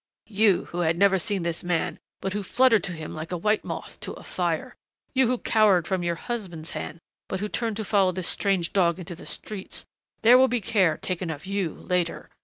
"You, who had never seen this man but who fluttered to him like a white moth to a fire, you who cowered from your husband's hand but who turned to follow this strange dog into the streets there will be care taken of you later.